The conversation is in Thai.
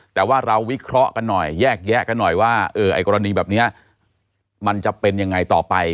แต่ว่าเราวิเคราะห์กันหน่อยแยกแยะกันหน่อยว่าไอ้กรณีแบบนี้มันจะเป็นยังไงต่อไป